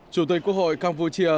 chủ tịch quốc hội campuchia